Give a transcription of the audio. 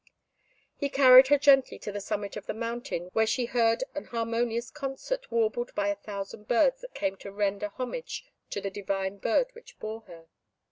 He carried her gently to the summit of the mountain, where she heard an harmonious concert warbled by a thousand birds that came to render homage to the divine bird which bore her.